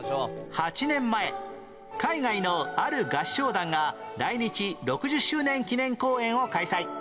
８年前海外のある合唱団が来日６０周年記念公演を開催